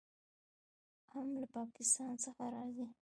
ام له پاکستان څخه راځي.